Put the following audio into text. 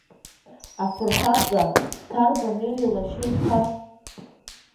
Афырхаҵа, Ҭарба Нели лашьа иԥа.